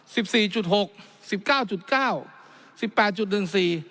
สิบสี่จุดหกสิบเก้าจุดเก้าสิบแปดจุดหนึ่งสี่